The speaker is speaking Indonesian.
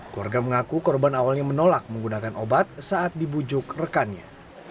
keluarga mengaku korban awalnya menolak menggunakan obat saat dibujuk rekannya